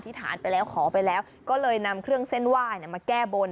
ฐานไปแล้วขอไปแล้วก็เลยนำเครื่องเส้นไหว้มาแก้บน